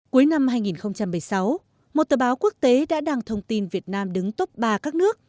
cuối năm hai nghìn một mươi sáu một tờ báo quốc tế đã đăng thông tin việt nam đứng top ba các nước